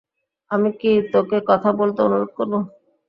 আমি কী তোকে কথা বলতে অনুরোধ করব?